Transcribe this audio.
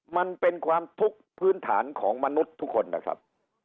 มันเป็นความทุกข์พื้นฐานของมนุษย์ทุกคนนะครับ